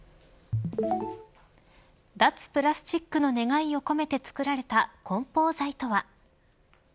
脱プラスチックの願いを込めて作られた梱包材とは。